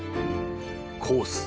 コース